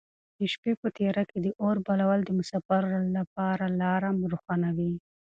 د شپې په تیاره کې د اور بلول د مساپرو لپاره لاره روښانوي.